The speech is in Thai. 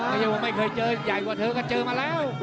ไม่ใช่ว่าไม่เคยเจอใหญ่กว่าเธอก็เจอมาแล้ว